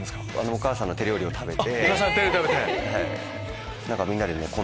お母さんの手料理食べて！